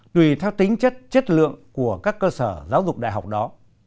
tùy theo tính chất chất lượng của các cơ sở giáo dục đại học đó